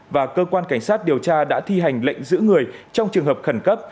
và cơ quan cảnh sát điều tra đã thi hành lệnh giữ người trong trường hợp khẩn cấp